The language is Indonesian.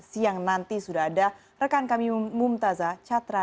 siang nanti sudah ada rekan kami mumtazah catra